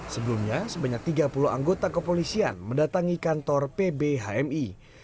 sebelumnya sebanyak tiga puluh anggota kepolisian mendatangi kantor pb hmi